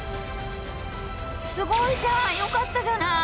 すごいじゃん！よかったじゃない！